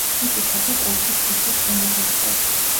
მისი თაღი კონქის ქუსლის დონეს აღწევს.